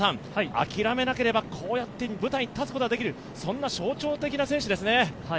諦めなければこうやって舞台に立つことができる、そんな象徴的な選手ですね。